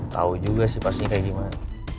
tau juga sih pastinya kayak gimana